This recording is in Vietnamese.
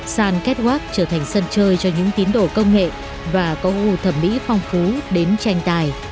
sàn kết quát trở thành sân chơi cho những tín đồ công nghệ và cấu hù thẩm mỹ phong phú đến tranh tài